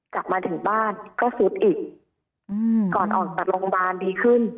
กลับมาถึงบ้านก็ซุดอีกก่อนออกจากโรงพยาบาลดีขึ้น